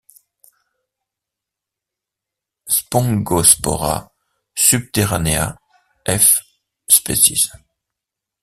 Spongospora subterranea f. sp.